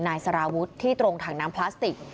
นายสารวุฒิที่ตรงถังน้ำพลาสติก